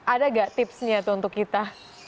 ada gak tipsnya tuh untuk kita